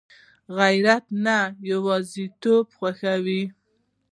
غیرت نه یوازېتوب خوښوي